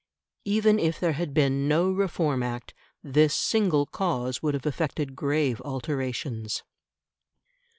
Even if there had been no Reform Act, this single cause would have effected grave alterations.